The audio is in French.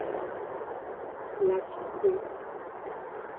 La Futaie.